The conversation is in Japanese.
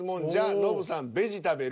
ノブさん「ベジたべる」。